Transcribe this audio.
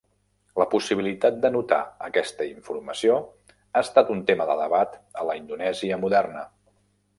La possibilitat d'anotar aquesta informació ha estat un tema de debat a la Indonèsia moderna.